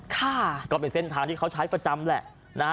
ก็เป็นเส้นทางที่เขาใช้ประจำแหละ